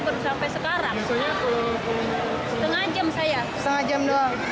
ternyata ada lampunya mati